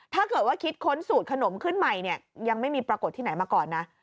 ถ้าเกิดว่าคิดค้นสูตรขนมขึ้นใหม่เนี่ยยังไม่มีปรากฏที่ไหนมาก่อนนะ